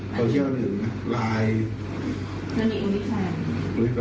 ก็ใช่นะครับ